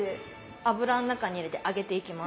油の中に入れて揚げていきます。